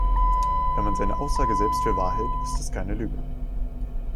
Wenn man seine Aussage selbst für wahr hält, ist es keine Lüge.